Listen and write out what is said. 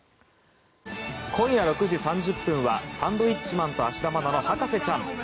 今夜６時３０分は「サンドウィッチマン＆芦田愛菜の博士ちゃん」。